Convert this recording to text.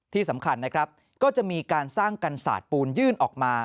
ที่สำคัญนะครับก็จะมีการสร้างกันศาสตร์ปูนยื่นออกมา